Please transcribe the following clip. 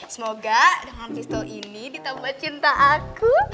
semoga dengan pistol ini ditambah cinta aku